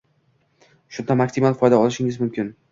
Shunda maksimal foyda olishingiz mumkin